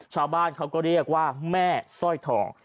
ชาวบ้านเขาก็เรียกว่าแม่สร้อยทอง